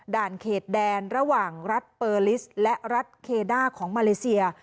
เขตแดนระหว่างรัฐเปอร์ลิสและรัฐเคด้าของมาเลเซีย